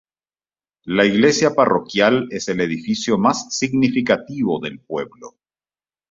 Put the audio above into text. La iglesia parroquial es el edificio más significativo del pueblo.